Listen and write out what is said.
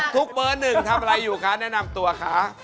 เบอร์หนึ่งทำอะไรอยู่คะแนะนำตัวคะ